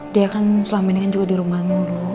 dia kan selama ini kan juga dirumah mulu